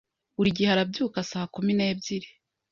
Buri gihe arabyuka saa kumi n'ebyiri.